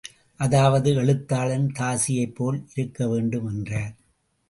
அதாவது எழுத்தாளன் தாசியைப் போல் இருக்க வேண்டும் என்றார்.